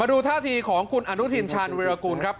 ดูท่าทีของคุณอนุทินชาญวิรากูลครับ